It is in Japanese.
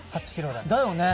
だよね！